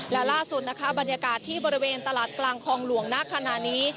และล่าสุดนะคะบรรยากาศที่บริเวณตลาดกลางคลองหลวงณขณะนี้